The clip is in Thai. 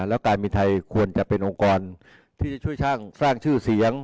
แล้วการบินไทยควรจะเป็นองค์กรที่จะช่วยช่างสร้างชื่อเสียง